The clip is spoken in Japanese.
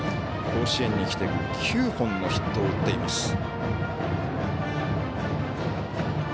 甲子園に来て９本のヒットを打っています。